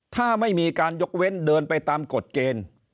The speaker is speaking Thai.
ถ้าไม่มีการยกเว้นเดินไปตามกฎเกณฑ์